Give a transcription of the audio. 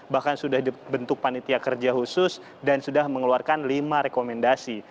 bahkan sudah dibentuk panitia kerja khusus dan sudah mengeluarkan lima rekomendasi